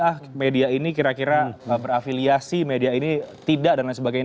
ah media ini kira kira berafiliasi media ini tidak dan lain sebagainya